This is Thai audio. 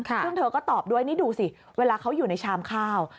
ซึ่งเธอก็ตอบด้วยนี่ดูสิเวลาเขาอยู่ในชามข้าว